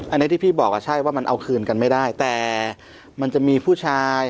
อันนี้ที่พี่บอกอ่ะใช่ว่ามันเอาคืนกันไม่ได้แต่มันจะมีผู้ชาย